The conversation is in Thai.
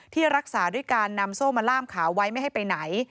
ที่รักษาด้วยการนำโซ่มาล่ามขาไว้ไม่ให้ไปไหน